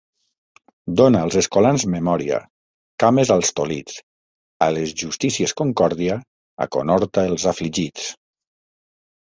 Dona als escolans memòria, cames als tolits; a les justícies concòrdia, aconhorta els afligits.